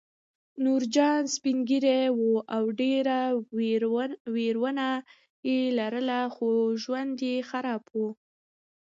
نورجان سپین ږیری و او ډېر ورېرونه یې لرل خو ژوند یې خراب و